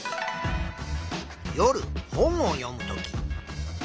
夜本を読むとき。